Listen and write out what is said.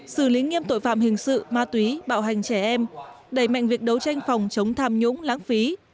xử lý nghiêm tội phạm hình sự ma túy bạo hành trẻ em đẩy mạnh việc đấu tranh phòng chống tham nhũng lãng phí